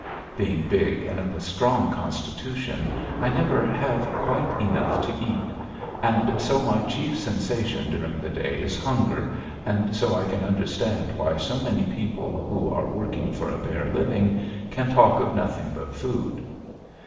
Being big and of a strong constitution I never have quite enough to eat, and so my chief sensation during the day is hunger, and so I can understand why so many people who are working for a bare living, can talk of nothing but food.